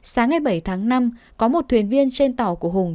sáng ngày bảy tháng năm có một thuyền viên trên tàu của hùng